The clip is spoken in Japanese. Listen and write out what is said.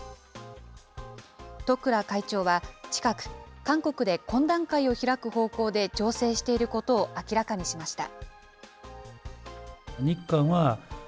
十倉会長は近く、韓国で懇談会を開く方向で調整していることを明らかにしました。